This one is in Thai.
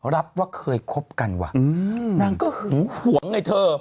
รับว่าเคยคบกันว่ะนางก็หึงหวงไงเธอ